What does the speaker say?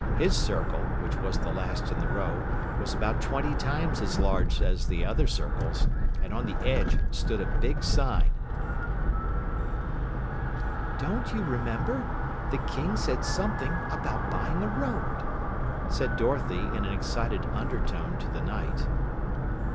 His circle, which was the last in the row, was about twenty times as large as the other circles, and on the edge stood a big sign:' "Don't you remember, the King said something about buying a road," said Dorothy in an excited undertone to the Knight.